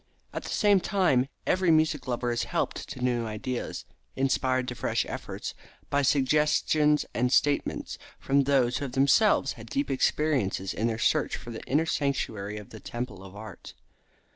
At the same time, every music lover is helped to new ideas, inspired to fresh efforts, by suggestions and statements from those who have themselves had deep experiences in their search for the inner sanctuary of the Temple of Art.